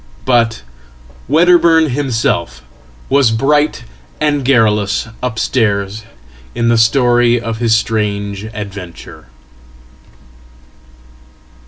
ButWedderburn himself was bright and garrulous upstairs in the glory of hisstrange adventure.